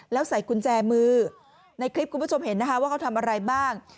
แล้วใส่กุญแจมือในคลิปคุณผู้ชมเห็นนะคะว่าเขาทำอะไรบ้าง